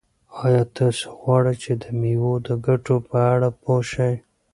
آیا تاسو غواړئ چې د مېوو د ګټو په اړه پوه شئ؟